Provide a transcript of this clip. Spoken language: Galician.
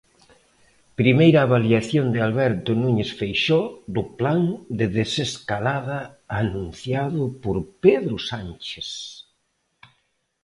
Primeira avaliación de Alberto Núñez Feijóo do plan de desescalada anunciado por Pedro Sánchez.